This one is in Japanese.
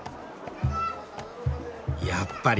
やっぱり。